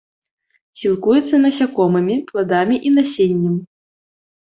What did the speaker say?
Сілкуецца насякомымі, пладамі і насеннем.